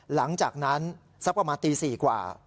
หลังจากนั้นสักประมาณตี๔กว่า